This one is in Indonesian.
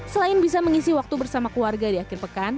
selain bisa mengisi waktu bersama keluarga di akhir pekan